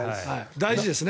大事ですね。